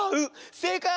せいかい！